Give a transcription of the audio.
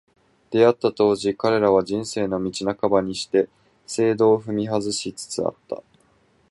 出逢った当時、彼らは、「人生の道半ばにして正道を踏み外し」つつあった。